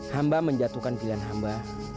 hamba menjatuhkan pilihan hamba